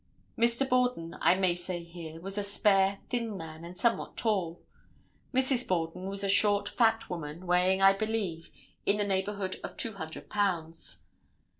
Mr. Borden, I may say here, was a spare, thin man and somewhat tall. Mrs. Borden was a short, fat woman, weighing, I believe, in the neighborhood of two hundred pounds.